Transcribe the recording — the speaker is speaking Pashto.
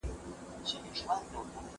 که خویندې روژه ونیسي نو برکت به نه ځي.